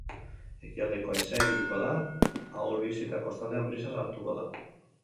Ekialdeko haizea ibiliko da, ahul-bizi eta kostaldean brisa sartuko da.